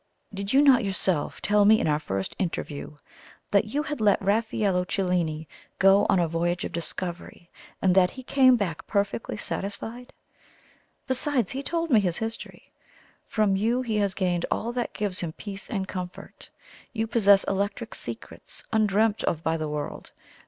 Did you not yourself tell me in our first interview that you had let Raffaello Cellini 'go on a voyage of discovery, and that he came back perfectly satisfied?' Besides, he told me his history. From you he has gained all that gives him peace and comfort. You possess electric secrets undreamt of by the world.